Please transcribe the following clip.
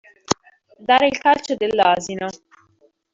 Dare il calcio dell'asino.